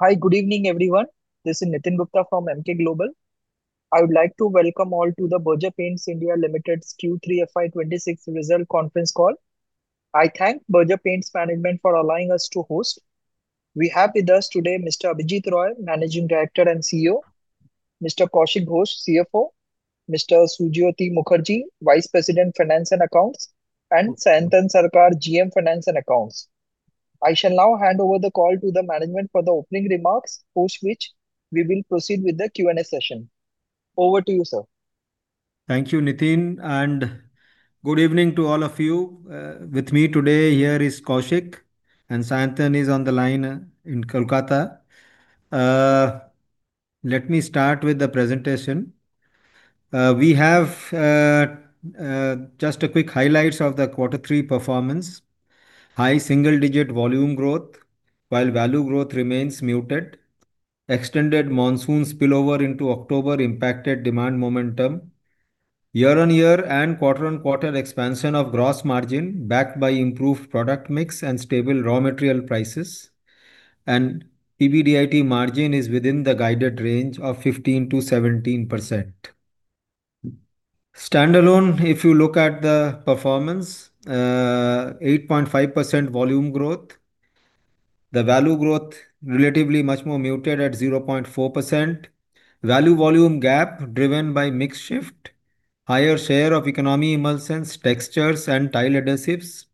Hi, good evening, everyone. This is Nitin Gupta from Emkay Global. I would like to welcome all to the Berger Paints India Limited's Q3 FY 2026 result conference call. I thank Berger Paints management for allowing us to host. We have with us today Mr. Abhijit Roy, Managing Director and CEO, Mr. Kaushik Ghosh, CFO, Mr. Sujyoti Mukherjee, Vice President, Finance and Accounts, and Sayantan Sarkar, GM, Finance and Accounts. I shall now hand over the call to the management for the opening remarks, post which we will proceed with the Q&A session. Over to you, sir. Thank you, Nitin, and good evening to all of you. With me today here is Kaushik, and Sayantan is on the line, in Kolkata. Let me start with the presentation. We have just a quick highlights of the Quarter Three performance. High single-digit volume growth, while value growth remains muted. Extended monsoon spillover into October impacted demand momentum. Year-on-year and quarter-on-quarter expansion of gross margin, backed by improved product mix and stable raw material prices. And PBDIT margin is within the guided range of 15%-17%. Standalone, if you look at the performance, 8.5% volume growth. The value growth, relatively much more muted at 0.4%. Value volume gap driven by mix shift, higher share of economy emulsions, textures, and tile adhesives,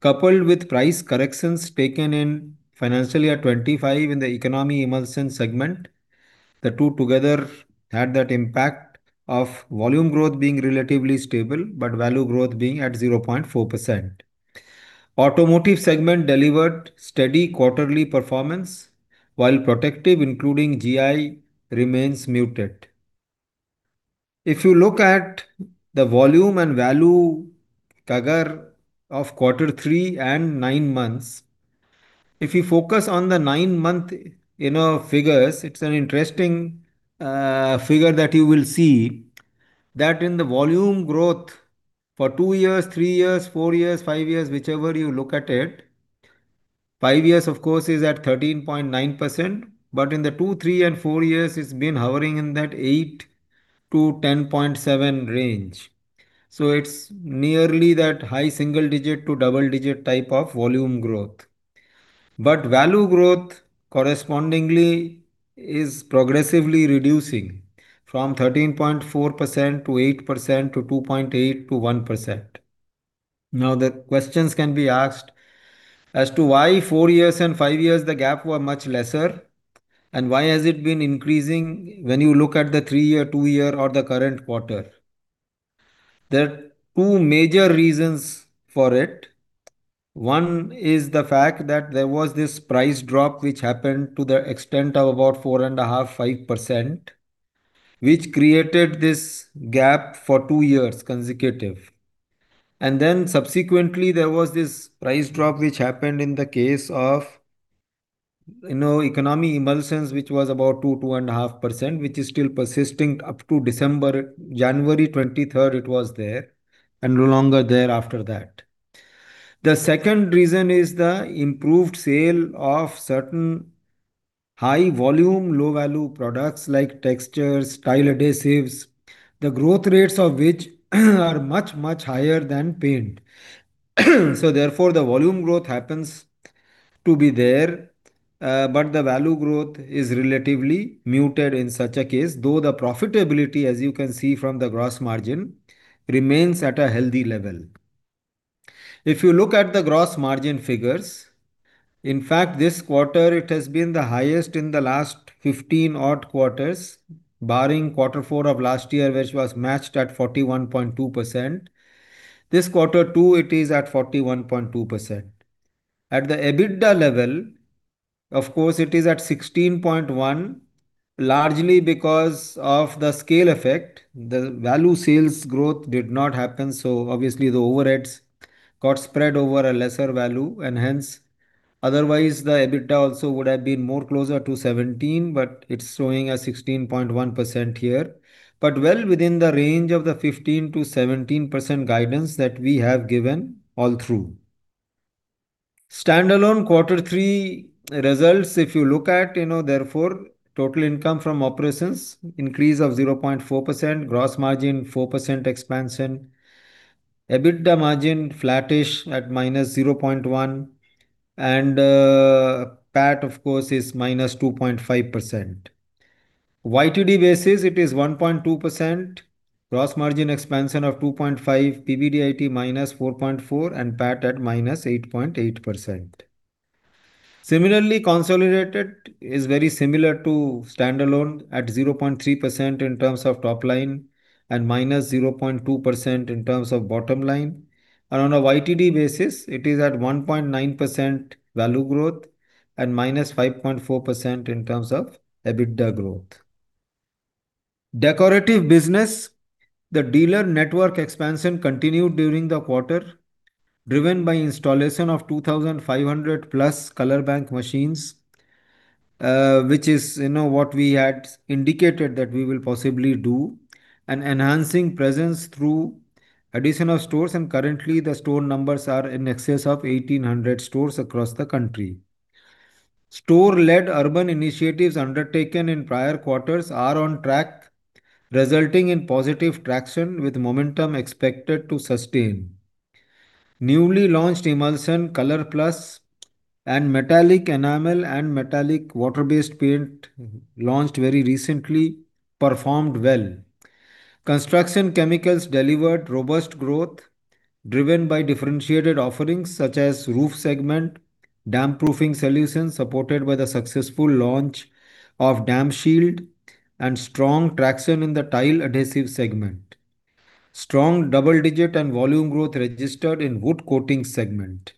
coupled with price corrections taken in financial year 2025 in the economy emulsion segment. The two together had that impact of volume growth being relatively stable, but value growth being at 0.4%. Automotive segment delivered steady quarterly performance, while protective, including GI, remains muted. If you look at the volume and value CAGR of Quarter Three and nine months, if you focus on the nine-month, you know, figures, it's an interesting figure that you will see, that in the volume growth for two years, three years, four years, five years, whichever you look at it, five years, of course, is at 13.9%, but in the two, three, and four years, it's been hovering in that 8-10.7 range. So it's nearly that high single digit to double digit type of volume growth. But value growth, correspondingly, is progressively reducing from 13.4% to 8% to 2.8%-1%. Now, the questions can be asked as to why 4 years and 5 years, the gap were much lesser, and why has it been increasing when you look at the 3-year, 2-year, or the current quarter? There are two major reasons for it. One is the fact that there was this price drop, which happened to the extent of about 4.5-5%, which created this gap for 2 years consecutive. And then subsequently, there was this price drop, which happened in the case of, you know, economy emulsions, which was about 2-2.5%, which is still persisting up to December. January 23rd, it was there, and no longer there after that. The second reason is the improved sale of certain high volume, low value products like textures, tile adhesives, the growth rates of which are much, much higher than paint. So therefore, the volume growth happens to be there, but the value growth is relatively muted in such a case, though the profitability, as you can see from the Gross Margin, remains at a healthy level. If you look at the Gross Margin figures, in fact, this quarter, it has been the highest in the last 15 odd quarters, barring Quarter Four of last year, which was matched at 41.2%. This Quarter Two, it is at 41.2%. At the EBITDA level, of course, it is at 16.1, largely because of the scale effect. The value sales growth did not happen, so obviously the overheads got spread over a lesser value, and hence... Otherwise, the EBITDA also would have been more closer to 17, but it's showing a 16.1% here. But well within the range of the 15%-17% guidance that we have given all through. Standalone Quarter Three results, if you look at, you know, therefore, total income from operations, increase of 0.4%, gross margin, 4% expansion, EBITDA margin flattish at -0.1%, and, PAT, of course, is -2.5%. YTD basis, it is 1.2%, gross margin expansion of 2.5, PBDIT -4.4, and PAT at -8.8%. Similarly, consolidated is very similar to standalone at 0.3% in terms of top line and -0.2% in terms of bottom line. And on a YTD basis, it is at 1.9% value growth and -5.4% in terms of EBITDA growth. Decorative business. The dealer network expansion continued during the quarter, driven by installation of 2,500+ Color Bank machines, which is, you know, what we had indicated that we will possibly do, and enhancing presence through additional stores, and currently, the store numbers are in excess of 1,800 stores across the country. Store-led urban initiatives undertaken in prior quarters are on track, resulting in positive traction with momentum expected to sustain. Newly launched emulsion Color Plus and metallic enamel and metallic water-based paint, launched very recently, performed well. Construction chemicals delivered robust growth, driven by differentiated offerings such as roof segment, damp-proofing solutions supported by the successful launch of DampShield, and strong traction in the tile adhesive segment. Strong double-digit and volume growth registered in wood coatings segment.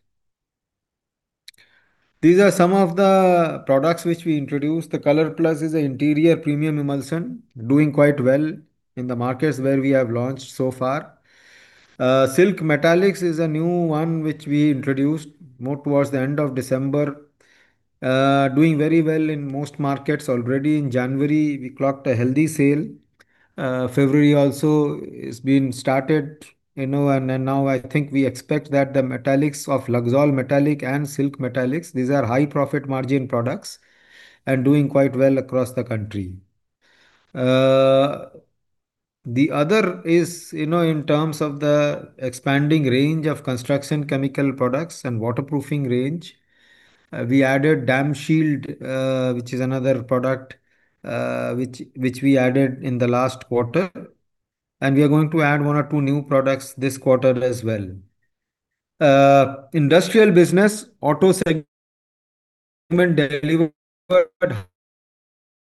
These are some of the products which we introduced. The Color Plus is an interior premium emulsion, doing quite well in the markets where we have launched so far. Silk Metallics is a new one, which we introduced more towards the end of December. Doing very well in most markets. Already in January, we clocked a healthy sale. February also has been started, you know, and now I think we expect that the metallics of Luxol Metallic and Silk Metallics, these are high profit margin products and doing quite well across the country. The other is, you know, in terms of the expanding range of construction chemical products and waterproofing range, we added DampShield, which is another product, which we added in the last quarter, and we are going to add one or two new products this quarter as well. Industrial business, auto segment delivered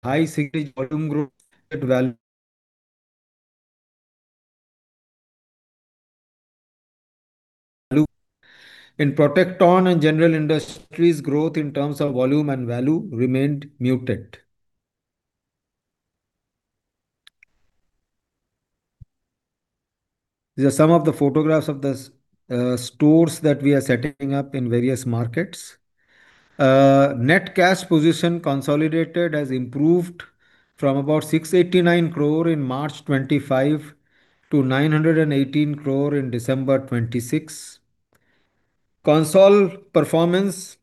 high single volume growth at value. In Protecton and general industries, growth in terms of volume and value remained muted. These are some of the photographs of the stores that we are setting up in various markets. Net cash position consolidated has improved from about 689 crore in March 2025 to 918 crore in December 2026. Consol performance: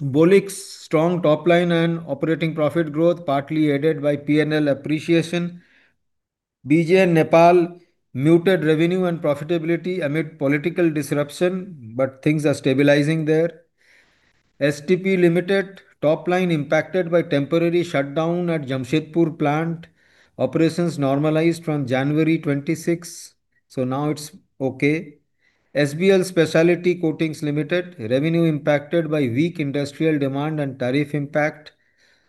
Bolix, strong top line and operating profit growth, partly aided by PLN appreciation. BJ Nepal, muted revenue and profitability amid political disruption, but things are stabilizing there. STP Limited, top line impacted by temporary shutdown at Jamshedpur plant. Operations normalized from January 2026, so now it's okay. SBL Specialty Coatings Limited, revenue impacted by weak industrial demand and tariff impact.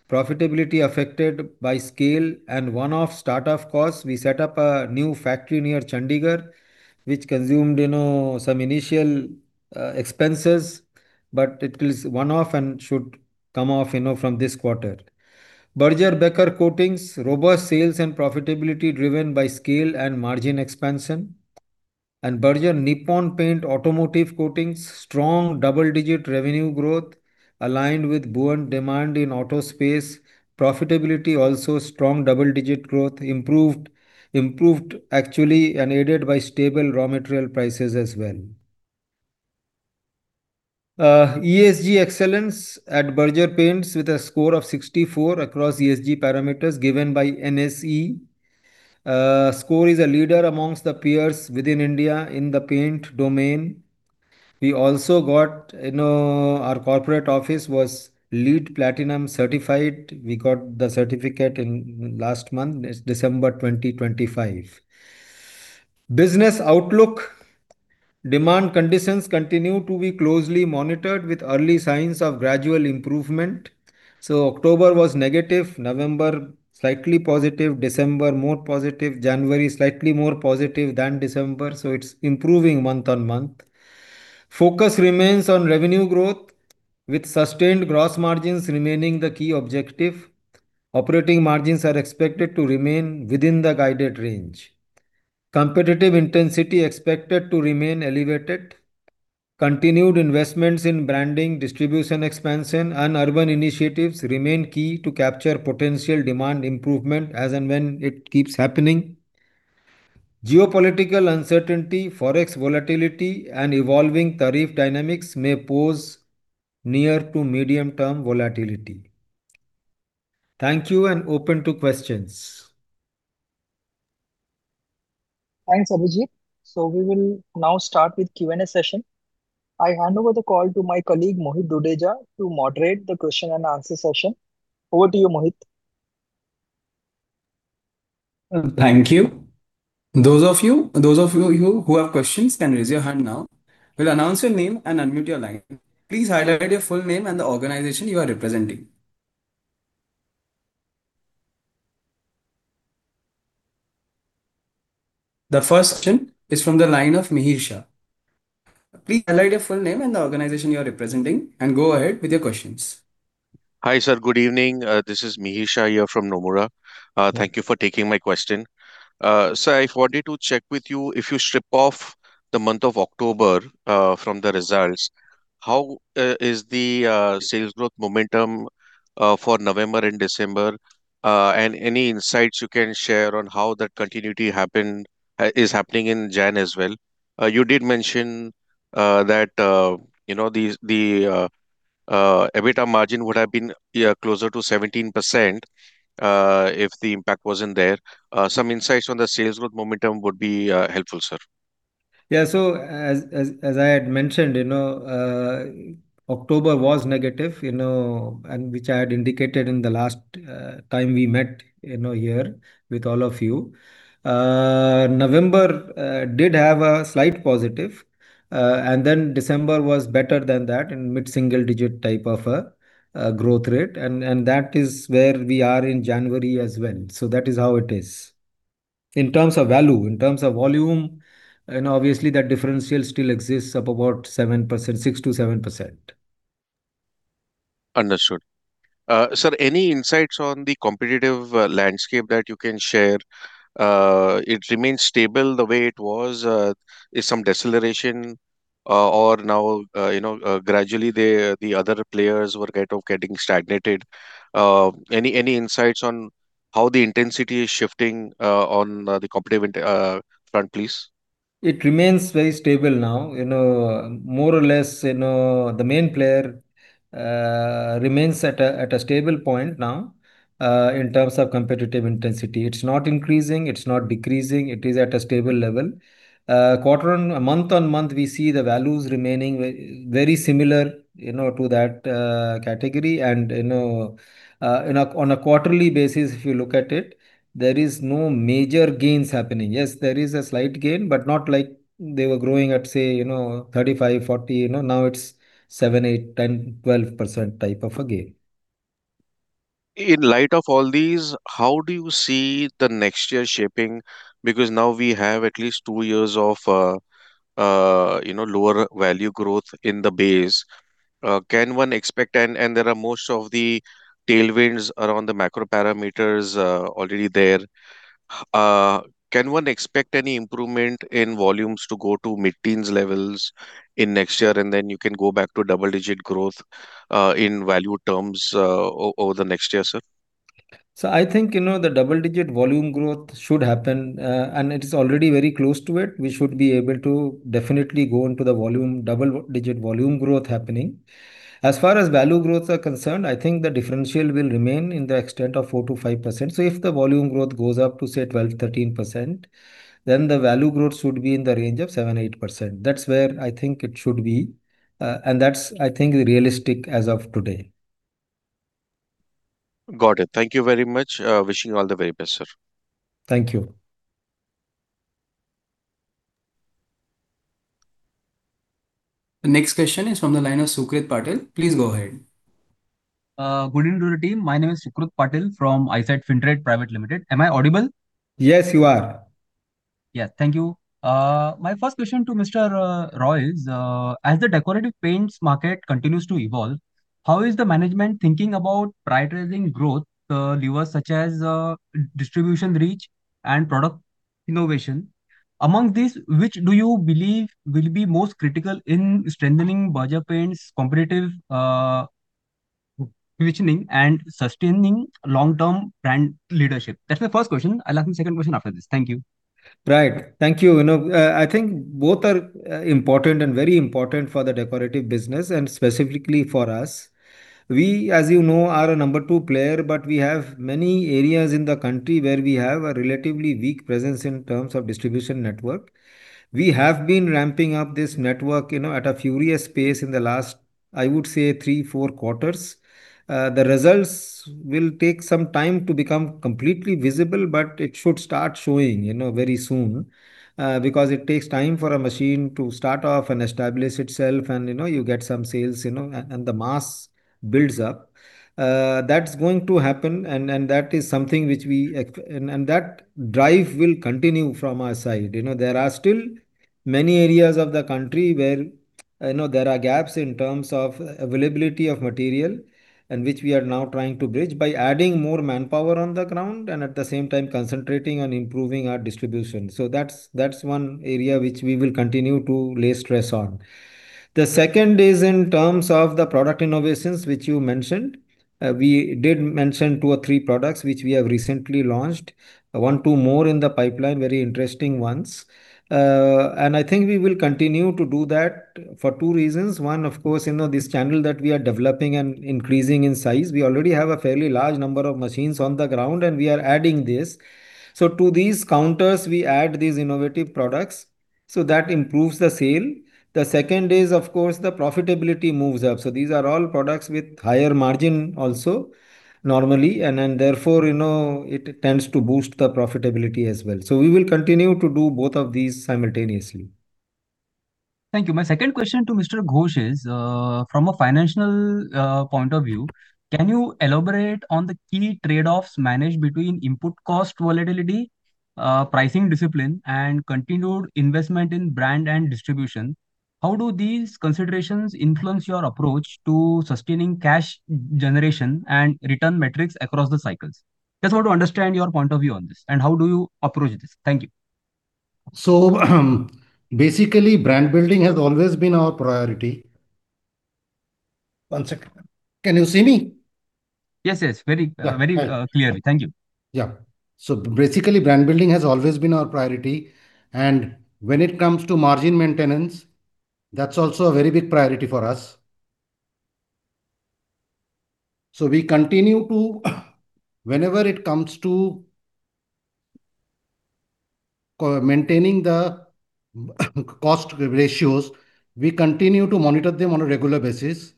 Profitability affected by scale and one-off start-up costs. We set up a new factory near Chandigarh, which consumed, you know, some initial expenses, but it is one-off and should come off, you know, from this quarter. Berger Becker Coatings, robust sales and profitability driven by scale and margin expansion. Berger Nippon Paint Automotive Coatings, strong double-digit revenue growth aligned with buoyant demand in auto space. Profitability, also strong double-digit growth, improved, improved actually and aided by stable raw material prices as well. ESG excellence at Berger Paints with a score of 64 across ESG parameters given by NSE. Score is a leader amongst the peers within India in the paint domain. We also got, you know, our corporate office was LEED Platinum certified. We got the certificate in last month, it's December 2025. Business outlook. Demand conditions continue to be closely monitored with early signs of gradual improvement. So October was negative, November slightly positive, December more positive, January slightly more positive than December, so it's improving month-on-month. Focus remains on revenue growth, with sustained gross margins remaining the key objective. Operating margins are expected to remain within the guided range. Competitive intensity expected to remain elevated. Continued investments in branding, distribution expansion, and urban initiatives remain key to capture potential demand improvement as and when it keeps happening. Geopolitical uncertainty, forex volatility, and evolving tariff dynamics may pose near- to medium-term volatility. Thank you, and open to questions. Thanks, Abhijit. We will now start with Q&A session. I hand over the call to my colleague, Mohit Dudeja, to moderate the question and answer session. Over to you, Mohit. Thank you. Those of you who have questions can raise your hand now. We'll announce your name and unmute your line. Please highlight your full name and the organization you are representing. The first question is from the line of Mihir Shah. Please highlight your full name and the organization you are representing, and go ahead with your questions. Hi, sir. Good evening, this is Mihir Shah here from Nomura. Thank you for taking my question. So I wanted to check with you, if you strip off the month of October from the results, how is the sales growth momentum for November and December? And any insights you can share on how that continuity happened, is happening in January as well? You did mention that you know the EBITDA margin would have been, yeah, closer to 17%, if the impact wasn't there. Some insights on the sales growth momentum would be helpful, sir. Yeah. So as I had mentioned, you know, October was negative, you know, and which I had indicated in the last time we met, you know, here with all of you. November did have a slight positive, and then December was better than that in mid-single digit type of a growth rate. And that is where we are in January as well. So that is how it is. In terms of value, in terms of volume, and obviously, that differential still exists of about 7%, 6%-7%. Understood. Sir, any insights on the competitive landscape that you can share? It remains stable the way it was, is some deceleration, or now, you know, gradually the other players were kind of getting stagnated. Any insights on how the intensity is shifting on the competitive front, please? It remains very stable now. You know, more or less, you know, the main player remains at a stable point now in terms of competitive intensity. It's not increasing, it's not decreasing, it is at a stable level. Month-over-month, we see the values remaining very similar, you know, to that category. You know, on a quarterly basis, if you look at it, there is no major gains happening. Yes, there is a slight gain, but not like they were growing at, say, you know, 35, 40, you know. Now it's 7, 8, 10, 12% type of a gain. In light of all these, how do you see the next year shaping? Because now we have at least two years of, you know, lower value growth in the base. Can one expect? And there are most of the tailwinds around the macro parameters already there. Can one expect any improvement in volumes to go to mid-teens levels in next year, and then you can go back to double-digit growth in value terms over the next year, sir? So I think, you know, the double-digit volume growth should happen, and it is already very close to it. We should be able to definitely go into the volume, double-digit volume growth happening. As far as value growths are concerned, I think the differential will remain in the extent of 4%-5%. So if the volume growth goes up to, say, 12%-13%, then the value growth should be in the range of 7%-8%. That's where I think it should be, and that's, I think, realistic as of today. Got it. Thank you very much. Wishing you all the very best, sir. Thank you. The next question is from the line of Sucrit Patil. Please go ahead. Good evening to the team. My name is Sucrit Patil from Eyesight Fintrade Private Limited. Am I audible? Yes, you are. Yeah. Thank you. My first question to Mr. Roy is, as the decorative paints market continues to evolve, how is the management thinking about prioritizing growth levers such as distribution reach and product innovation? Among these, which do you believe will be most critical in strengthening Berger Paints' competitive positioning and sustaining long-term brand leadership? That's my first question. I'll ask my second question after this. Thank you. Right. Thank you. You know, I think both are important and very important for the decorative business, and specifically for us. We, as you know, are a number two player, but we have many areas in the country where we have a relatively weak presence in terms of distribution network. We have been ramping up this network, you know, at a furious pace in the last, I would say, 3 or 4 quarters. The results will take some time to become completely visible, but it should start showing, you know, very soon, because it takes time for a machine to start off and establish itself and, you know, you get some sales, you know, and the mass builds up. That's going to happen, and that is something which we... and that drive will continue from our side. You know, there are still many areas of the country where, you know, there are gaps in terms of availability of material, and which we are now trying to bridge by adding more manpower on the ground and at the same time concentrating on improving our distribution. So that's one area which we will continue to lay stress on. The second is in terms of the product innovations, which you mentioned. We did mention two or three products which we have recently launched, one, two more in the pipeline, very interesting ones. And I think we will continue to do that for two reasons. One, of course, you know, this channel that we are developing and increasing in size. We already have a fairly large number of machines on the ground, and we are adding this. So to these counters, we add these innovative products, so that improves the sale. The second is, of course, the profitability moves up. So these are all products with higher margin also, normally, and then therefore, you know, it tends to boost the profitability as well. So we will continue to do both of these simultaneously. Thank you. My second question to Mr. Ghosh is, from a financial point of view, can you elaborate on the key trade-offs managed between input cost volatility, pricing discipline, and continued investment in brand and distribution? How do these considerations influence your approach to sustaining cash generation and return metrics across the cycles? Just want to understand your point of view on this, and how do you approach this? Thank you. Basically, brand building has always been our priority. One second. Can you see me? Yes, yes, very, very, clear. Thank you. Yeah. So basically, brand building has always been our priority, and when it comes to margin maintenance, that's also a very big priority for us. So we continue to, whenever it comes to cost, maintaining the cost ratios, we continue to monitor them on a regular basis.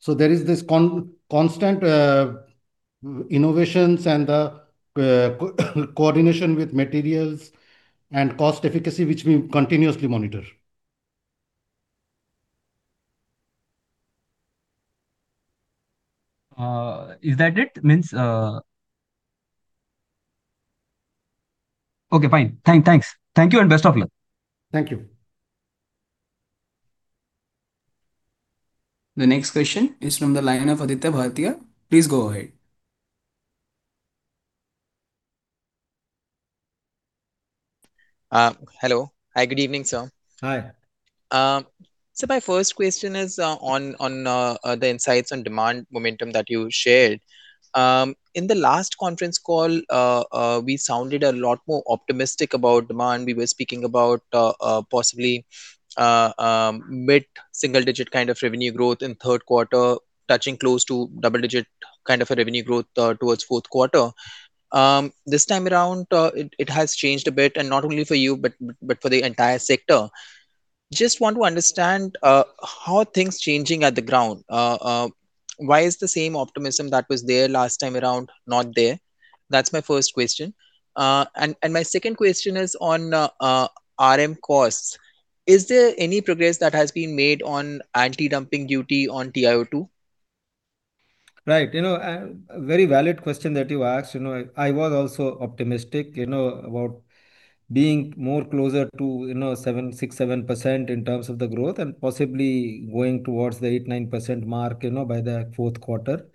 So there is this constant innovations and the coordination with materials and cost efficiency, which we continuously monitor. Is that it? I mean... Okay, fine. Thanks. Thank you, and best of luck. Thank you. The next question is from the line of Aditya Bhartia. Please go ahead. Hello. Hi, good evening, sir. Hi. So my first question is on the insights on demand momentum that you shared. In the last conference call, we sounded a lot more optimistic about demand. We were speaking about possibly mid-single-digit kind of revenue growth in third quarter, touching close to double-digit kind of a revenue growth towards fourth quarter. This time around, it has changed a bit, and not only for you, but for the entire sector. Just want to understand how things are changing on the ground. Why is the same optimism that was there last time around not there? That's my first question. And my second question is on RM costs. Is there any progress that has been made on anti-dumping duty on TiO2? Right. You know, and a very valid question that you asked. You know, I was also optimistic, you know, about being more closer to, you know, 6%-7% in terms of the growth, and possibly going towards the 8%-9% mark, you know, by the fourth quarter.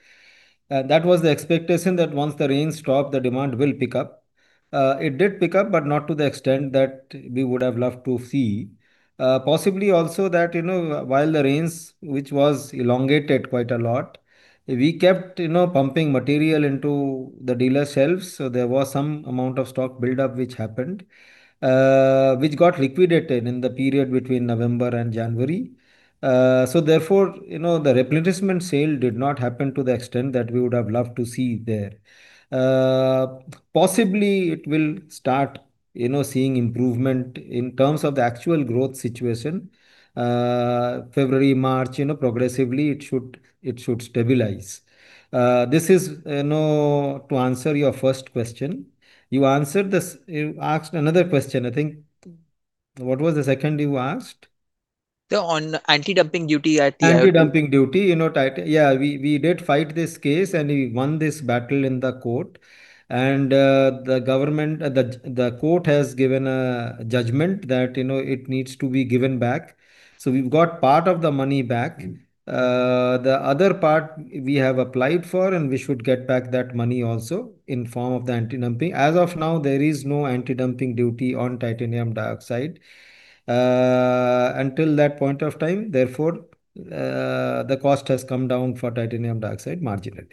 That was the expectation, that once the rains stop, the demand will pick up. It did pick up, but not to the extent that we would have loved to see. Possibly also that, you know, while the rains, which was elongated quite a lot, we kept, you know, pumping material into the dealer shelves, so there was some amount of stock buildup which happened, which got liquidated in the period between November and January. So therefore, you know, the replenishment sale did not happen to the extent that we would have loved to see there. Possibly it will start, you know, seeing improvement in terms of the actual growth situation. February, March, you know, progressively it should, it should stabilize. This is, you know, to answer your first question. You answered this... You asked another question, I think. What was the second you asked? On Anti-dumping duty at the- Anti-dumping duty, you know. Yeah, we did fight this case, and we won this battle in the court. The government, the court has given a judgment that, you know, it needs to be given back, so we've got part of the money back. The other part we have applied for, and we should get back that money also in form of the anti-dumping. As of now, there is no anti-dumping duty on titanium dioxide. Until that point of time, therefore, the cost has come down for titanium dioxide marginally.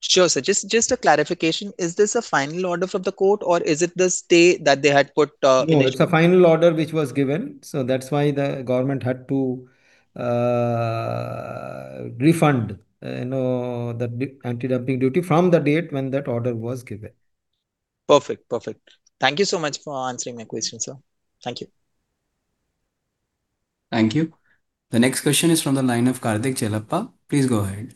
Sure, sir. Just a clarification, is this a final order from the court, or is it the stay that they had put initially? No, it's a final order which was given, so that's why the government had to refund, you know, the anti-dumping duty from the date when that order was given. Perfect. Perfect. Thank you so much for answering my question, sir. Thank you. Thank you. The next question is from the line of Karthik Chellappa. Please go ahead.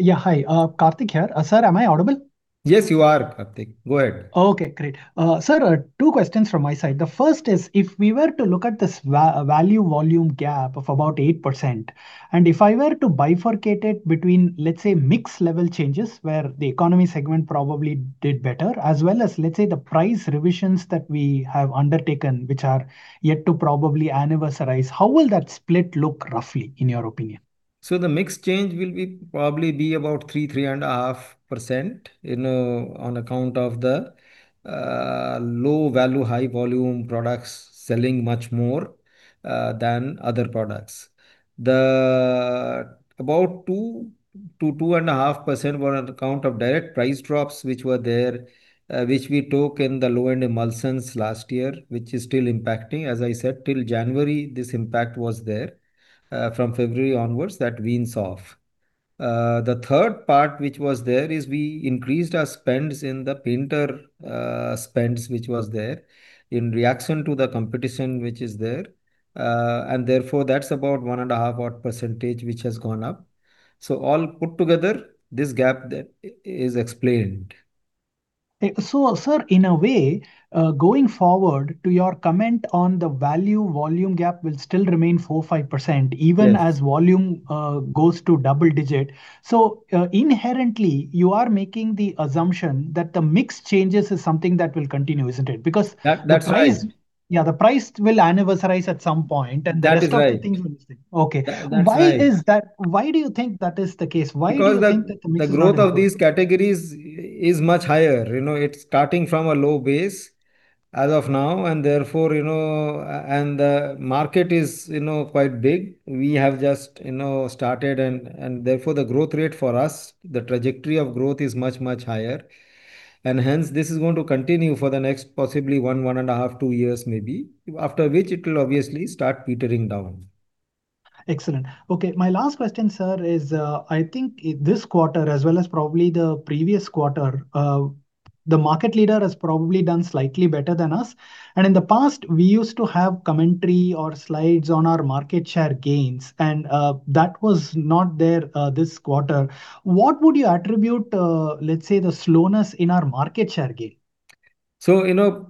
Yeah. Hi, Karthik here. Sir, am I audible? Yes, you are, Karthik. Go ahead. Okay, great. Sir, two questions from my side. The first is, if we were to look at this value volume gap of about 8%, and if I were to bifurcate it between, let's say, mix level changes, where the economy segment probably did better, as well as, let's say, the price revisions that we have undertaken, which are yet to probably anniversarize, how will that split look roughly, in your opinion? So the mix change will be probably be about 3%-3.5%, you know, on account of the low-value, high-volume products selling much more than other products. The about 2%-2.5% were on account of direct price drops, which were there, which we took in the low-end emulsions last year, which is still impacting. As I said, till January, this impact was there. From February onwards, that weans off. The third part, which was there, is we increased our spends in the painter spends, which was there, in reaction to the competition which is there. And therefore, that's about 1.5 odd percentage which has gone up. So all put together, this gap then is explained. Sir, in a way, going forward, to your comment on the value, volume gap will still remain 4%-5%. Yes... even as volume goes to double-digit. So, inherently, you are making the assumption that the mix changes is something that will continue, isn't it? Because- That, that's right. Yeah, the price will annualize at some point, and the- That is right. Okay. That's right. Why is that? Why do you think that is the case? Why do you think that the mix- Because the growth of these categories is much higher. You know, it's starting from a low base as of now, and therefore, you know, and the market is, you know, quite big. We have just, you know, started and, and therefore, the growth rate for us, the trajectory of growth is much, much higher. And hence, this is going to continue for the next possibly 1, 1.5, 2 years maybe, after which it will obviously start petering down. Excellent. Okay, my last question, sir, is, I think this quarter, as well as probably the previous quarter, the market leader has probably done slightly better than us, and in the past, we used to have commentary or slides on our market share gains, and, that was not there, this quarter. What would you attribute, let's say, the slowness in our market share gain? So, you know,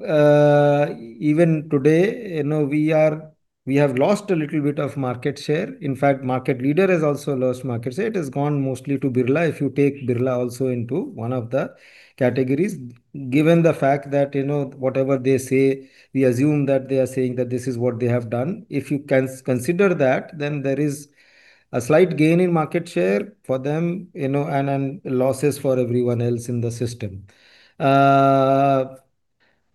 even today, you know, we have lost a little bit of market share. In fact, market leader has also lost market share. It has gone mostly to Birla, if you take Birla also into one of the categories. Given the fact that, you know, whatever they say, we assume that they are saying that this is what they have done. If you consider that, then there is a slight gain in market share for them, you know, and losses for everyone else in the system.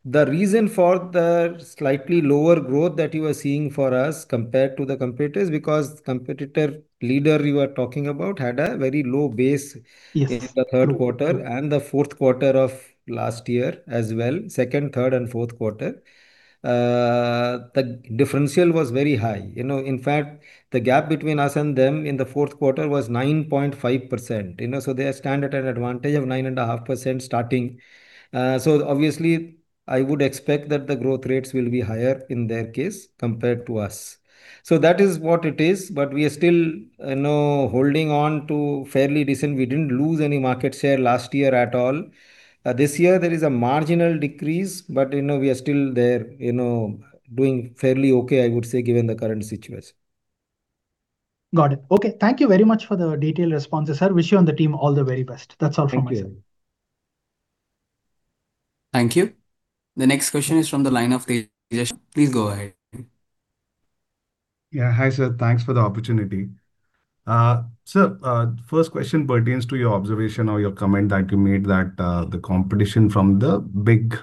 The reason for the slightly lower growth that you are seeing for us compared to the competitors, because competitor leader you are talking about had a very low base- Yes... in the third quarter and the fourth quarter of last year as well, second, third and fourth quarter. The differential was very high. You know, in fact, the gap between us and them in the fourth quarter was 9.5%, you know, so they stand at an advantage of 9.5% starting. So obviously, I would expect that the growth rates will be higher in their case compared to us. So that is what it is, but we are still, you know, holding on to fairly decent. We didn't lose any market share last year at all. This year there is a marginal decrease, but, you know, we are still there, you know, doing fairly okay, I would say, given the current situation. Got it. Okay, thank you very much for the detailed responses, sir. Wish you and the team all the very best. That's all from my side. Thank you. Thank you. The next question is from the line of Tejas. Please go ahead. Yeah. Hi, sir. Thanks for the opportunity. Sir, first question pertains to your observation or your comment that you made that the competition from the big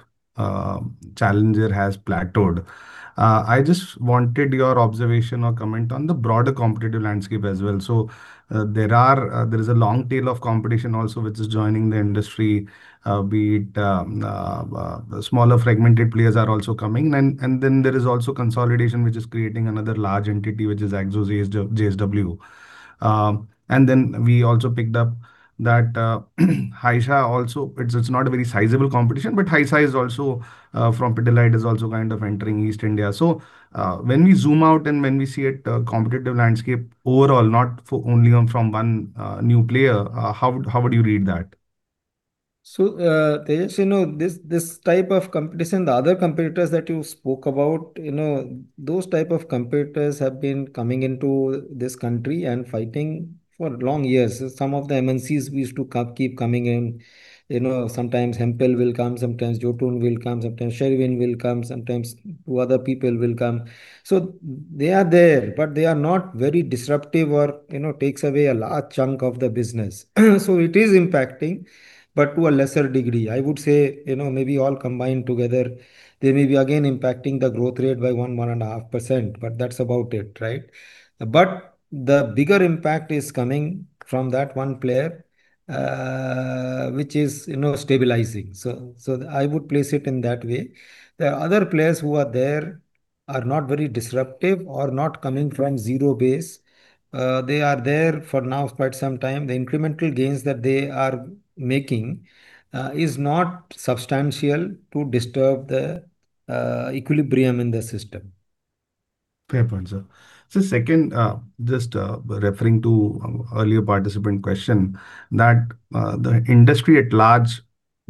challenger has plateaued. I just wanted your observation or comment on the broader competitive landscape as well. There are, there is a long tail of competition also, which is joining the industry, be it smaller fragmented players are also coming. Then there is also consolidation, which is creating another large entity, which is JSW. And then we also picked up that Haisha also. It's not a very sizable competition, but Haisha is also from Pidilite, is also kind of entering East India. So, when we zoom out and when we see it, competitive landscape overall, not only from one new player, how would you read that? So, Tejas, you know, this, this type of competition, the other competitors that you spoke about, you know, those type of competitors have been coming into this country and fighting for long years. Some of the MNCs we used to keep coming in. You know, sometimes Hempel will come, sometimes Jotun will come, sometimes Sherwin will come, sometimes two other people will come. So they are there, but they are not very disruptive or, you know, takes away a large chunk of the business. So it is impacting, but to a lesser degree. I would say, you know, maybe all combined together, they may be again impacting the growth rate by 1-1.5%, but that's about it, right? But the bigger impact is coming from that one player, which is, you know, stabilizing. So, so I would place it in that way. The other players who are there are not very disruptive or not coming from zero base. They are there for now, quite some time. The incremental gains that they are making is not substantial to disturb the equilibrium in the system. Fair point, sir. So second, just referring to earlier participant question, that the industry at large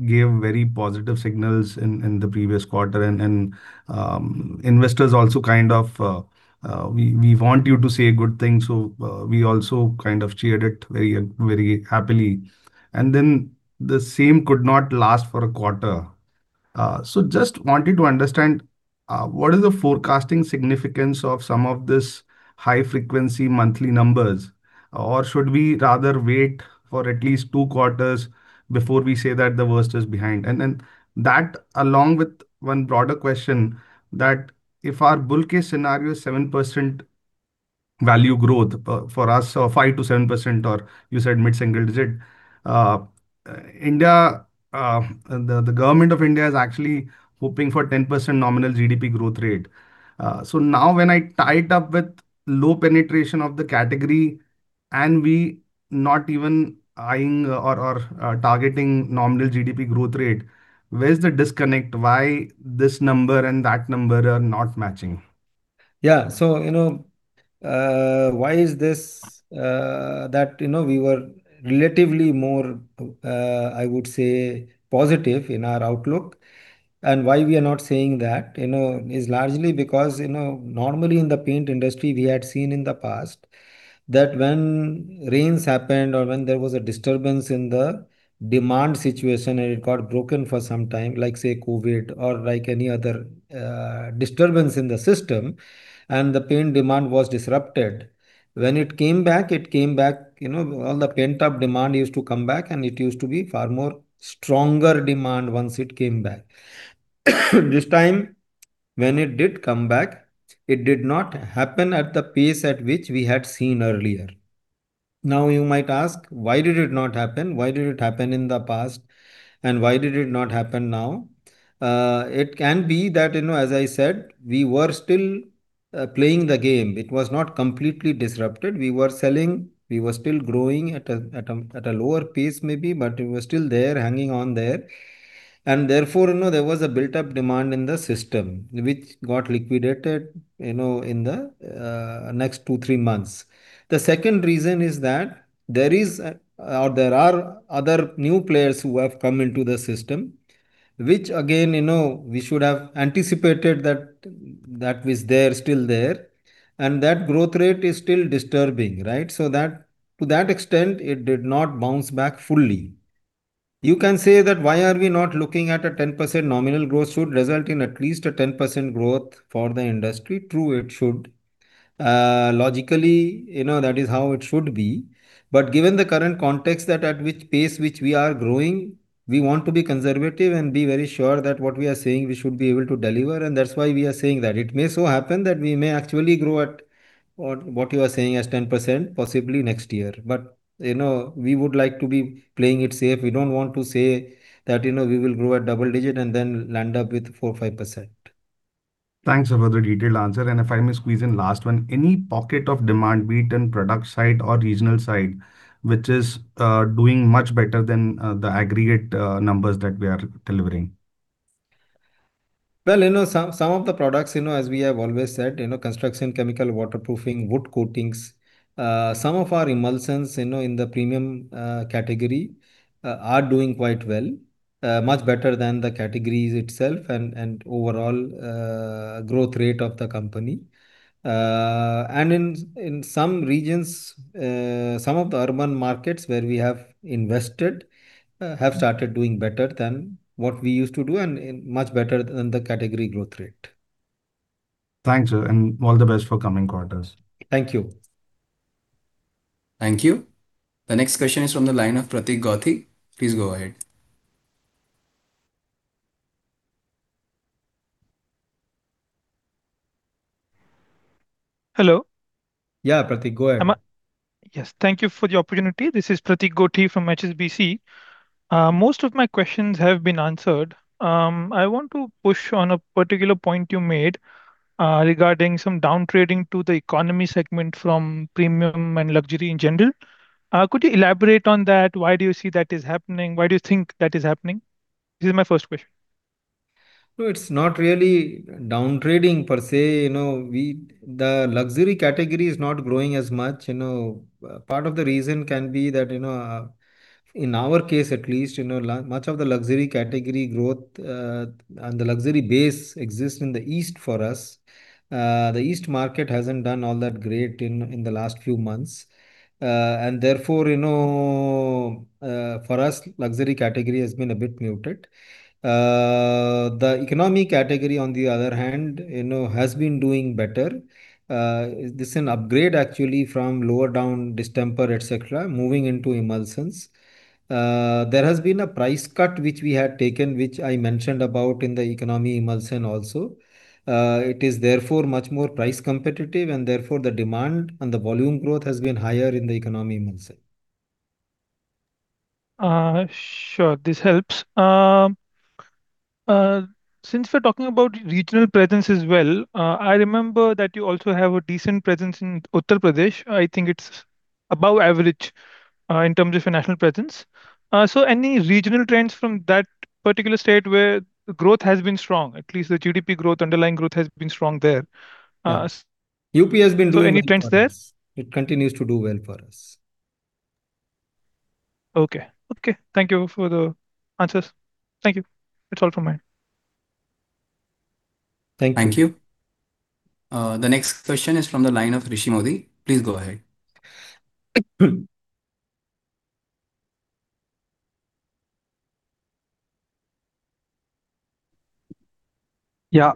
gave very positive signals in the previous quarter. And investors also kind of want you to say good things, so we also kind of cheered it very, very happily. And then the same could not last for a quarter. So just wanted to understand what is the forecasting significance of some of this high-frequency monthly numbers? Or should we rather wait for at least two quarters before we say that the worst is behind? Then that, along with one broader question, that if our bull case scenario is 7% value growth, for us, so 5%-7%, or you said mid-single digit, India, the government of India is actually hoping for 10% nominal GDP growth rate. So now when I tie it up with low penetration of the category, and we not even eyeing or, or, targeting nominal GDP growth rate, where is the disconnect? Why this number and that number are not matching? Yeah. So, you know, why is this that, you know, we were relatively more, I would say, positive in our outlook, and why we are not saying that, you know, is largely because, you know, normally in the paint industry, we had seen in the past that when rains happened or when there was a disturbance in the demand situation and it got broken for some time, like, say, COVID or like any other, disturbance in the system, and the paint demand was disrupted. When it came back, it came back. You know, all the pent-up demand used to come back, and it used to be far more stronger demand once it came back. This time, when it did come back, it did not happen at the pace at which we had seen earlier. Now, you might ask, why did it not happen? Why did it happen in the past, and why did it not happen now? It can be that, you know, as I said, we were still playing the game. It was not completely disrupted. We were selling, we were still growing at a lower pace maybe, but we were still there, hanging on there. And therefore, you know, there was a built-up demand in the system, which got liquidated, you know, in the next 2-3 months. The second reason is that there is, or there are other new players who have come into the system, which again, you know, we should have anticipated that was there, still there, and that growth rate is still disturbing, right? So that, to that extent, it did not bounce back fully. You can say that, why are we not looking at a 10% nominal growth [that] should result in at least a 10% growth for the industry? True, it should. Logically, you know, that is how it should be. But given the current context [of the] pace at which we are growing, we want to be conservative and be very sure that what we are saying, we should be able to deliver, and that's why we are saying that. It may so happen that we may actually grow at what you are saying as 10%, possibly next year. But, you know, we would like to be playing it safe. We don't want to say that, you know, we will grow at double-digit and then land up with 4-5%. Thanks for the detailed answer. If I may squeeze in last one: any pocket of demand, be it in product side or regional side, which is doing much better than the aggregate numbers that we are delivering? Well, you know, some of the products, you know, as we have always said, you know, construction chemicals, waterproofing, wood coatings, some of our emulsions, you know, in the premium category, are doing quite well, much better than the categories itself and overall growth rate of the company. And in some regions, some of the urban markets where we have invested have started doing better than what we used to do and much better than the category growth rate. Thanks, sir, and all the best for coming quarters. Thank you. Thank you. The next question is from the line of Pratik Gothi. Please go ahead. Hello? Yeah, Pratik, go ahead. Yes, thank you for the opportunity. This is Pratik Gothi from HSBC. Most of my questions have been answered. I want to push on a particular point you made, regarding some down-trading to the economy segment from premium and luxury in general. Could you elaborate on that? Why do you see that is happening? Why do you think that is happening? This is my first question. No, it's not really down-trading per se. You know, we... The luxury category is not growing as much. You know, part of the reason can be that, you know, in our case, at least, you know, much of the luxury category growth, and the luxury base exists in the east for us. The east market hasn't done all that great in the last few months. And therefore, you know, for us, luxury category has been a bit muted. The economy category, on the other hand, you know, has been doing better. This is an upgrade actually from lower down distemper, et cetera, moving into emulsions. There has been a price cut, which we had taken, which I mentioned about in the economy emulsion also. It is therefore much more price competitive, and therefore, the demand and the volume growth has been higher in the economy emulsion. Sure, this helps. Since we're talking about regional presence as well, I remember that you also have a decent presence in Uttar Pradesh. I think it's above average in terms of your national presence. So any regional trends from that particular state where growth has been strong, at least the GDP growth, underlying growth, has been strong there? UP has been doing- Any trends there? It continues to do well for us. Okay. Okay, thank you for the answers. Thank you. That's all from me. Thank you. Thank you. The next question is from the line of Rishi Modi. Please go ahead. Yeah.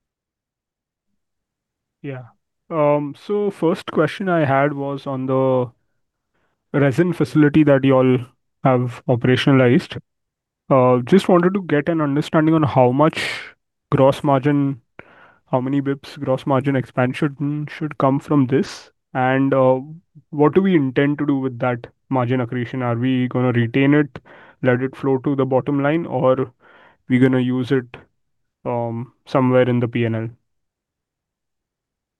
Yeah, so first question I had was on the resin facility that y'all have operationalized. Just wanted to get an understanding on how much gross margin, how many bps gross margin expansion should come from this, and what do we intend to do with that margin accretion? Are we gonna retain it, let it flow to the bottom line, or we're gonna use it somewhere in the P&L?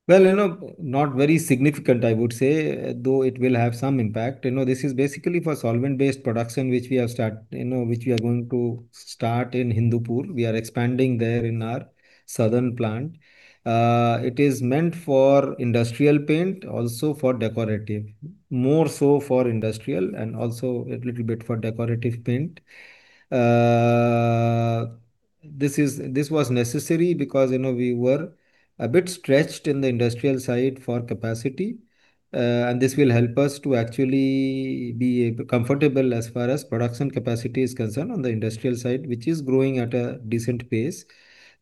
Well, you know, not very significant, I would say, though it will have some impact. You know, this is basically for solvent-based production, which—you know, which we are going to start in Hindupur. We are expanding there in our southern plant. It is meant for industrial paint, also for decorative. More so for industrial, and also a little bit for decorative paint. This—this was necessary because, you know, we were a bit stretched in the industrial side for capacity, and this will help us to actually be comfortable as far as production capacity is concerned on the industrial side, which is growing at a decent pace.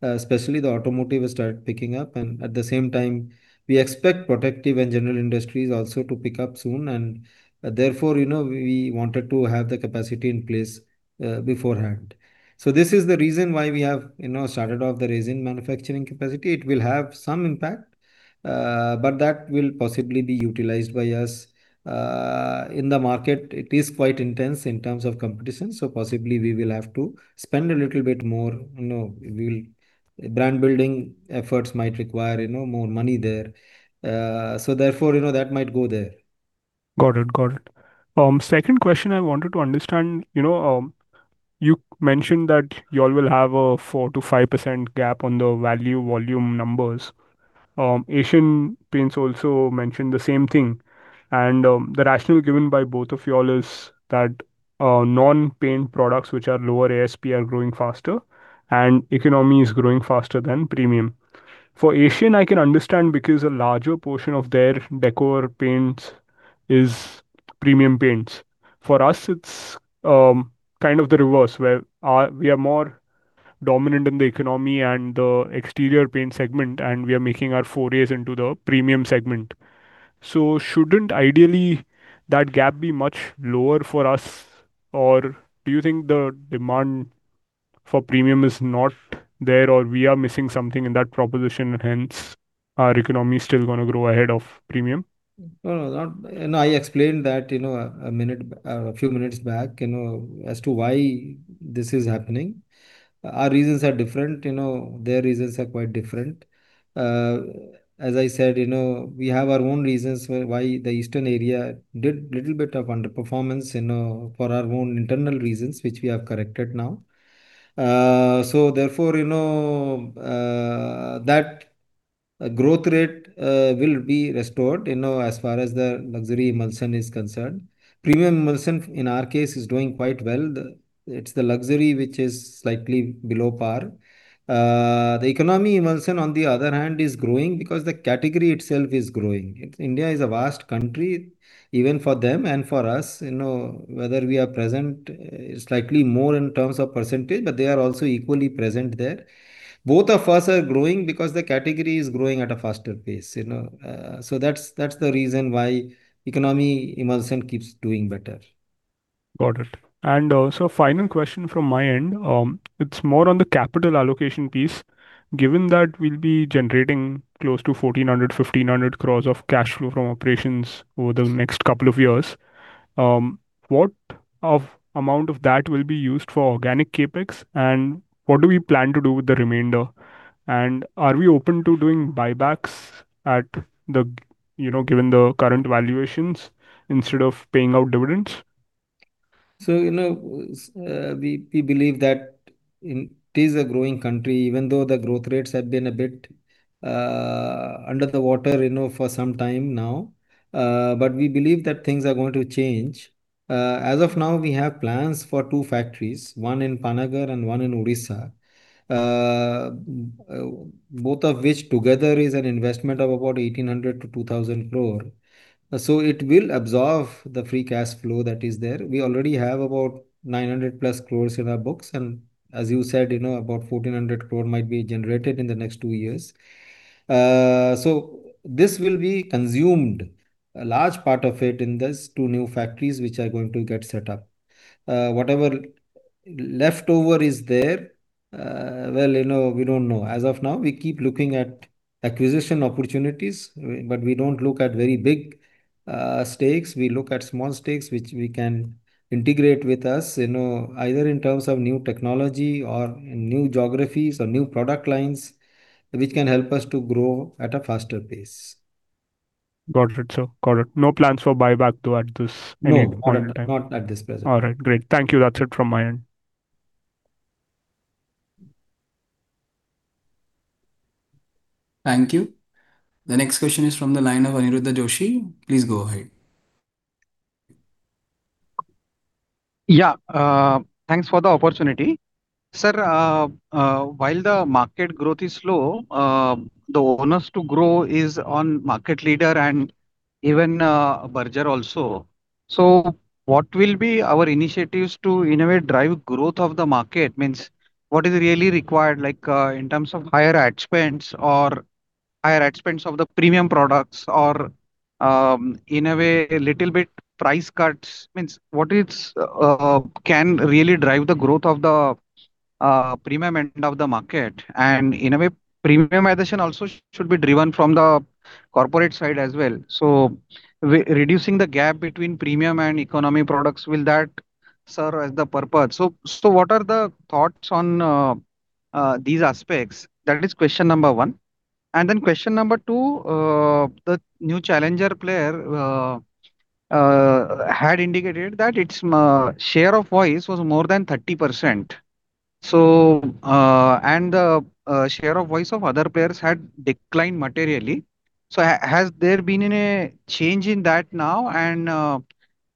Especially the automotive has started picking up, and at the same time, we expect protective and general industries also to pick up soon, and therefore, you know, we wanted to have the capacity in place beforehand. So this is the reason why we have, you know, started off the resin manufacturing capacity. It will have some impact, but that will possibly be utilized by us in the market. It is quite intense in terms of competition, so possibly we will have to spend a little bit more. You know, we will brand building efforts might require, you know, more money there. So therefore, you know, that might go there. Got it. Got it. Second question I wanted to understand, you know, you mentioned that you all will have a 4%-5% gap on the value volume numbers. Asian Paints also mentioned the same thing, and the rationale given by both of you all is that non-paint products, which are lower ASP, are growing faster, and economy is growing faster than premium. For Asian, I can understand because a larger portion of their decor paints is premium paints. For us, it's kind of the reverse, where we are more dominant in the economy and the exterior paint segment, and we are making our forays into the premium segment. Shouldn't, ideally, that gap be much lower for us, or do you think the demand for premium is not there, or we are missing something in that proposition, hence our economy is still going to grow ahead of premium? No, not. I explained that, you know, a minute, a few minutes back, you know, as to why this is happening. Our reasons are different, you know, their reasons are quite different. As I said, you know, we have our own reasons why the eastern area did a little bit of underperformance, you know, for our own internal reasons, which we have corrected now. So therefore, you know, that growth rate will be restored, you know, as far as the luxury emulsion is concerned. Premium emulsion, in our case, is doing quite well. It's the luxury which is slightly below par. The economy emulsion, on the other hand, is growing because the category itself is growing. India is a vast country, even for them and for us, you know, whether we are present, slightly more in terms of percentage, but they are also equally present there. Both of us are growing because the category is growing at a faster pace, you know. So that's, that's the reason why economy emulsion keeps doing better. Got it. So final question from my end. It's more on the capital allocation piece. Given that we'll be generating close to 1,400 crores-1,500 crores of cash flow from operations over the next couple of years, what amount of that will be used for organic CapEx, and what do we plan to do with the remainder? And are we open to doing buybacks at the, you know, given the current valuations, instead of paying out dividends? So, you know, we, we believe that it is a growing country, even though the growth rates have been a bit, under the water, you know, for some time now, but we believe that things are going to change. As of now, we have plans for two factories, one in Panagarh and one in Odisha, both of which together is an investment of about 1,800 crore-2,000 crore. So it will absorb the free cash flow that is there. We already have about 900+ crore in our books, and as you said, you know, about 1,400 crore might be generated in the next two years. So this will be consumed, a large part of it, in these two new factories which are going to get set up. Whatever leftover is there, well, you know, we don't know. As of now, we keep looking at acquisition opportunities, but we don't look at very big stakes. We look at small stakes, which we can integrate with us, you know, either in terms of new technology or new geographies or new product lines, which can help us to grow at a faster pace. Got it, sir. Got it. No plans for buyback, though, at this any point in time? No, not at this present. All right. Great. Thank you. That's it from my end. Thank you. The next question is from the line of Aniruddha Joshi. Please go ahead. Yeah. Thanks for the opportunity. Sir, while the market growth is slow, the onus to grow is on market leader and even, Berger also. So what will be our initiatives to, in a way, drive growth of the market? Means, what is really required, like, in terms of higher ad spends or higher ad spends of the premium products, or, in a way, a little bit price cuts? Means, what is, can really drive the growth of the, premium end of the market? And in a way, premiumization also should be driven from the corporate side as well. So re-reducing the gap between premium and economy products, will that serve as the purpose? So, so what are the thoughts on, these aspects? That is question number one. And then question number two, the new challenger player had indicated that its share of voice was more than 30%, so, and the share of voice of other players had declined materially. So has there been any change in that now? And,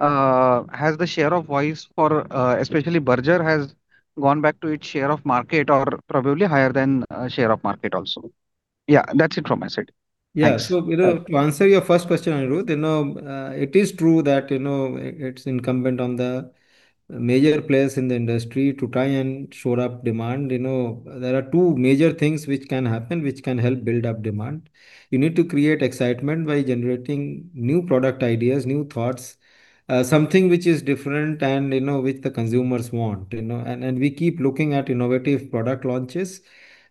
has the share of voice for, especially Berger, has gone back to its share of market or probably higher than share of market also? Yeah, that's it from my side. Yeah, so, you know, to answer your first question, Aniruddha, you know, it is true that, you know, it's incumbent on the major players in the industry to try and shore up demand. You know, there are two major things which can happen, which can help build up demand. You need to create excitement by generating new product ideas, new thoughts, something which is different and, you know, which the consumers want, you know? And, and we keep looking at innovative product launches.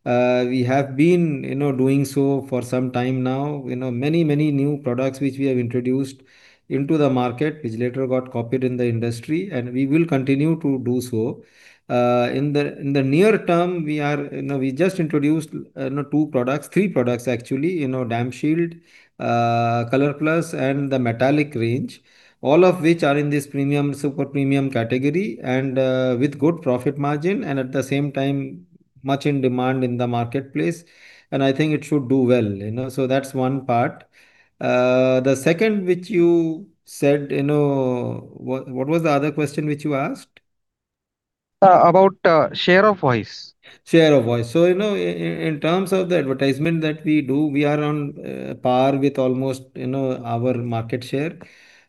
We have been, you know, doing so for some time now. You know, many, many new products which we have introduced into the market, which later got copied in the industry, and we will continue to do so. In the, in the near term, we are... You know, we just introduced, you know, two products, three products actually, you know, DampShield, Color Plus, and the Metallic range, all of which are in this premium, super premium category and, with good profit margin, and at the same time, much in demand in the marketplace. And I think it should do well, you know? So that's one part. The second, which you said, you know, what, what was the other question which you asked? About share of voice. Share of voice. So, you know, in terms of the advertisement that we do, we are on par with almost, you know, our market share.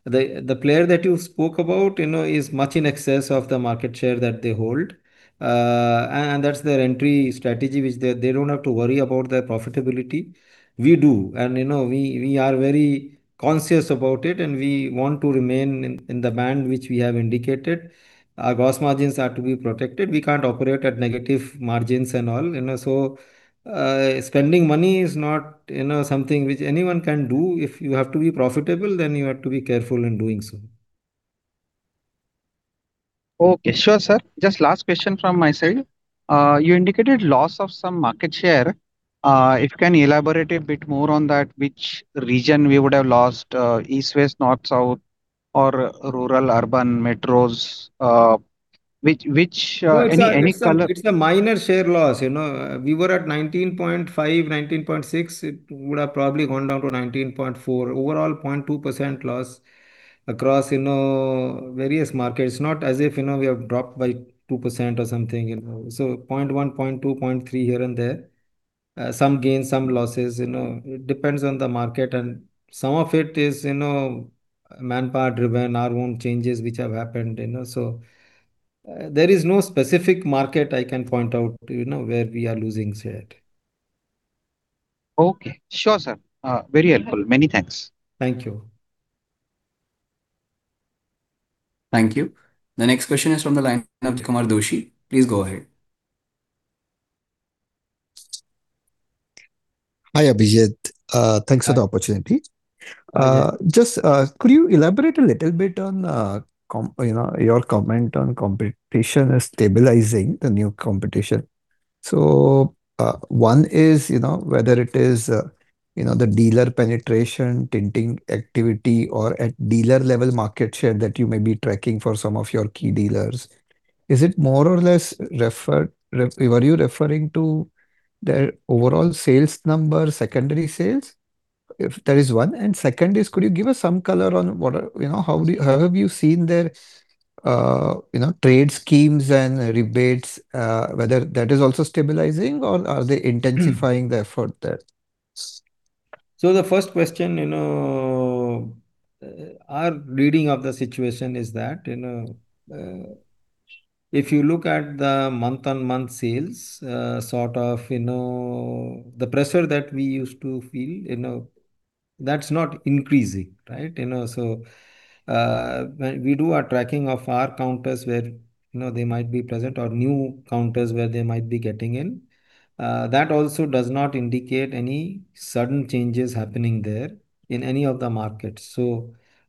The player that you spoke about, you know, is much in excess of the market share that they hold. And that's their entry strategy, which they don't have to worry about their profitability. We do, and, you know, we are very conscious about it, and we want to remain in the band which we have indicated. Our gross margins are to be protected. We can't operate at negative margins and all, you know? So, spending money is not, you know, something which anyone can do. If you have to be profitable, then you have to be careful in doing so. Okay. Sure, sir. Just last question from my side. You indicated loss of some market share. If you can elaborate a bit more on that, which region we would have lost, east, west, north, south or rural, urban, metros? Which any color- It's a minor share loss, you know. We were at 19.5, 19.6. It would have probably gone down to 19.4. Overall, 0.2% loss across, you know, various markets. It's not as if, you know, we have dropped by 2% or something, you know. So point one, point two, point three here and there. Some gains, some losses, you know. It depends on the market, and some of it is, you know, manpower driven, our own changes which have happened, you know. So, there is no specific market I can point out, you know, where we are losing share. Okay. Sure, sir. Very helpful. Many thanks. Thank you. Thank you. The next question is from the line of Jaykumar Doshi. Please go ahead. Hi, Abhijit. Thanks for the opportunity. Hi. Just, could you elaborate a little bit on, you know, your comment on competition is stabilizing, the new competition? So, one is, you know, whether it is, you know, the dealer penetration, tinting activity, or at dealer level market share that you may be tracking for some of your key dealers. Is it more or less were you referring to their overall sales number, secondary sales? If there is one. And second is, could you give us some color on, you know, how have you seen their, you know, trade schemes and rebates, whether that is also stabilizing, or are they intensifying the effort there? The first question, you know, our reading of the situation is that, you know, if you look at the month-on-month sales, sort of, you know, the pressure that we used to feel, you know, that's not increasing, right? You know, when we do our tracking of our counters where, you know, they might be present or new counters where they might be getting in, that also does not indicate any sudden changes happening there in any of the markets.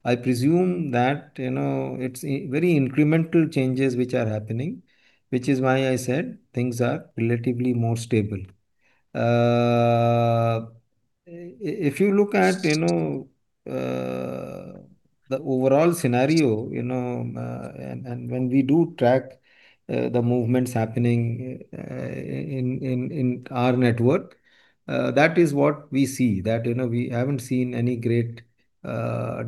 I presume that, you know, it's very incremental changes which are happening, which is why I said things are relatively more stable. If you look at, you know, the overall scenario, you know, and when we do track the movements happening in our network, that is what we see. That, you know, we haven't seen any great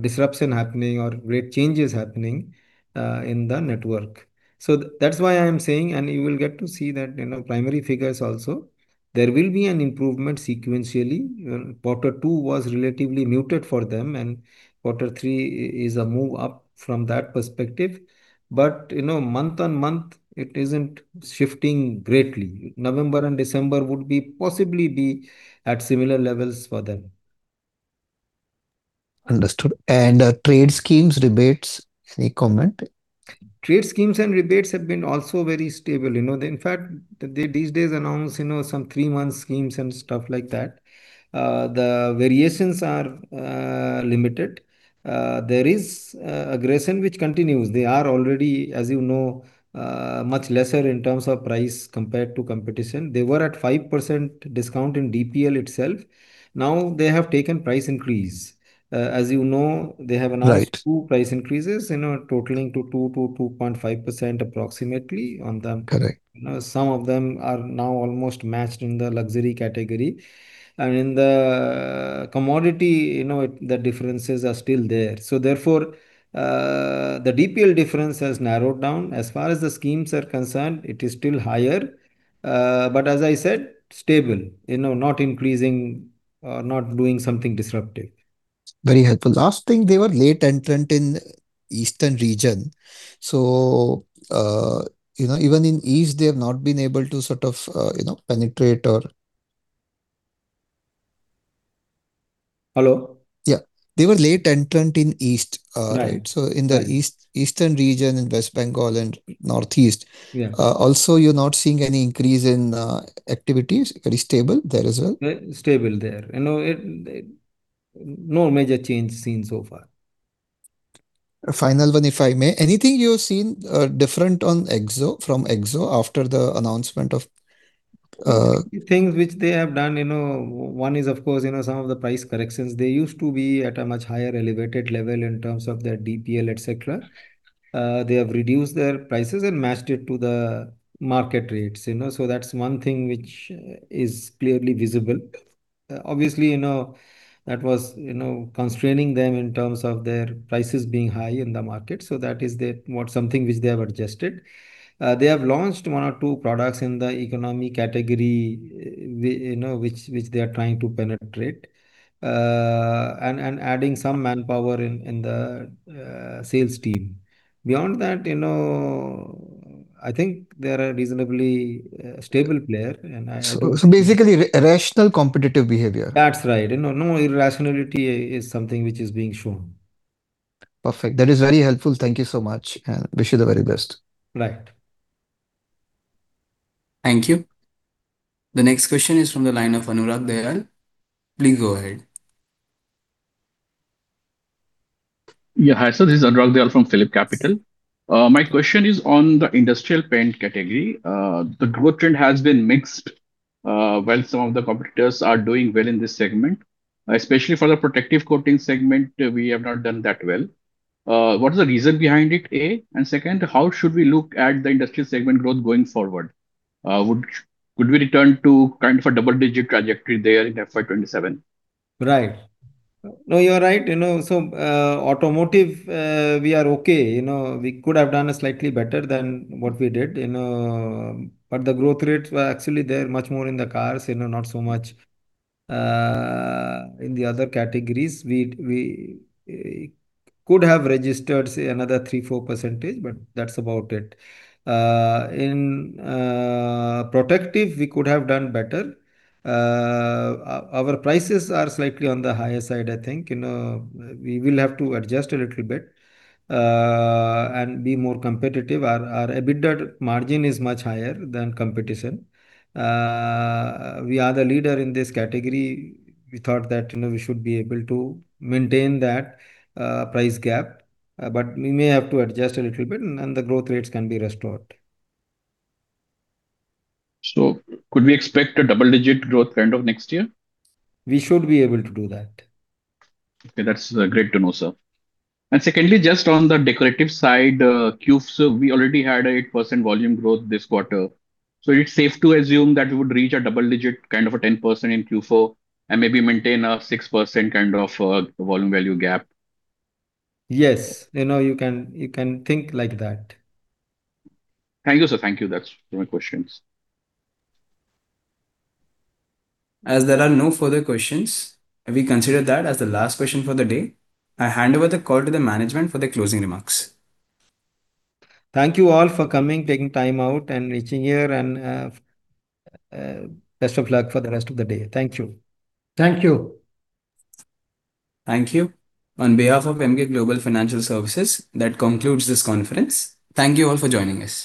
disruption happening or great changes happening in the network. So that's why I'm saying, and you will get to see that in our primary figures also, there will be an improvement sequentially. You know, quarter two was relatively muted for them, and quarter three is a move up from that perspective. But, you know, month-on-month, it isn't shifting greatly. November and December would possibly be at similar levels for them. Understood. And, trade schemes, rebates, any comment? Trade schemes and rebates have been also very stable, you know. In fact, they these days announced, you know, some three-month schemes and stuff like that. The variations are limited. There is aggression which continues. They are already, as you know, much lesser in terms of price compared to competition. They were at 5% discount in DPL itself. Now they have taken price increase. As you know, they have announced- Right... two price increases, you know, totaling to 2%-2.5% approximately on them. Correct. You know, some of them are now almost matched in the luxury category, and in the commodity, you know, the differences are still there. So therefore, the DPL difference has narrowed down. As far as the schemes are concerned, it is still higher. But as I said, stable, you know, not increasing or not doing something disruptive. Very helpful. Last thing, they were late entrant in eastern region, so, you know, even in east, they have not been able to sort of, you know, penetrate or- Hello? Yeah. They were late entrant in East, right? Right. So in the East, eastern region, in West Bengal and Northeast- Yeah. Also, you're not seeing any increase in activities. Very stable there as well? Stable there. You know, it no major change seen so far. Final one, if I may. Anything you have seen, different on Akzo, from Akzo after the announcement of, Things which they have done, you know, one is of course, you know, some of the price corrections. They used to be at a much higher elevated level in terms of their DPL, et cetera. They have reduced their prices and matched it to the market rates, you know. So that's one thing which is clearly visible. Obviously, you know, that was, you know, constraining them in terms of their prices being high in the market, so that is the—what something which they have adjusted. They have launched one or two products in the economy category, you know, which they are trying to penetrate, and adding some manpower in the sales team. Beyond that, you know, I think they are a reasonably stable player, and I- So, basically, rational, competitive behavior? That's right. You know, no irrationality is something which is being shown. Perfect. That is very helpful. Thank you so much, and wish you the very best. Right. Thank you. The next question is from the line of Anurag Dayal. Please go ahead. Yeah. Hi, sir, this is Anurag Dayal from PhillipCapital. My question is on the industrial paint category. The growth trend has been mixed. While some of the competitors are doing well in this segment, especially for the protective coating segment, we have not done that well. What is the reason behind it, A? And second, how should we look at the industrial segment growth going forward? Would, could we return to kind of a double-digit trajectory there in FY 2027? Right. No, you are right. You know, so, automotive, we are okay. You know, we could have done a slightly better than what we did, you know, but the growth rates were actually there, much more in the cars, you know, not so much in the other categories. We could have registered, say, another 3-4%, but that's about it. In protective, we could have done better. Our prices are slightly on the higher side, I think. You know, we will have to adjust a little bit and be more competitive. Our EBITDA margin is much higher than competition. We are the leader in this category. We thought that, you know, we should be able to maintain that, price gap, but we may have to adjust a little bit, and then the growth rates can be restored. Could we expect a double-digit growth end of next year? We should be able to do that. Okay. That's great to know, sir. And secondly, just on the decorative side, Q4, we already had an 8% volume growth this quarter, so it's safe to assume that we would reach a double-digit, kind of a 10% in Q4, and maybe maintain a 6% kind of volume value gap? Yes. You know, you can, you can think like that. Thank you, sir. Thank you. That's all my questions. As there are no further questions, we consider that as the last question for the day. I hand over the call to the management for the closing remarks. Thank you all for coming, taking time out and reaching here, and, best of luck for the rest of the day. Thank you. Thank you. Thank you. On behalf of Emkay Global Financial Services, that concludes this conference. Thank you all for joining us.